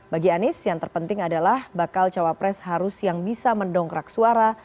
bagi anies yang terpenting adalah bakal cawapres harus yang bisa mendongkrak suara